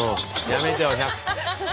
やめてよ。